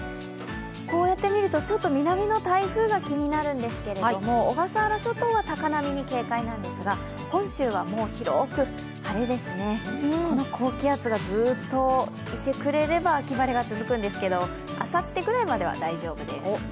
こうやってみると、ちょっと南の台風が気になるんですけども、小笠原諸島は高波に警戒なんですが本州は広く晴れですね、この高気圧がずっといてくれれば秋晴れが続くんですけど、あさってぐらいまでは大丈夫です。